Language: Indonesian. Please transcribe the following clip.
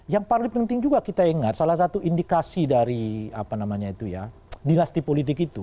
yang paling penting juga kita ingat salah satu indikasi dari dinasti politik itu